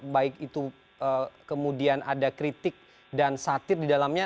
baik itu kemudian ada kritik dan satir di dalamnya